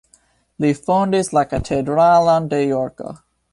Li fondis la katedralon de Jorko.